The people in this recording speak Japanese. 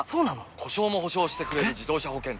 故障も補償してくれる自動車保険といえば？